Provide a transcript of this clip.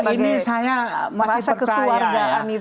sejauh ini saya masih percaya ya